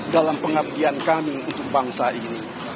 dalam pengabdian kami untuk bangsa ini